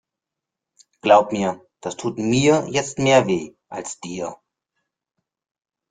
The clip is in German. Glaub mir, das tut mir jetzt mehr weh, als dir.